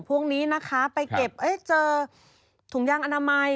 พวกนี้นะคะไปเก็บเจอถุงยางอนามัย